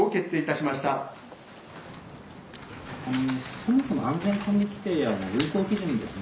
そもそも安全管理規定や運航基準にですね。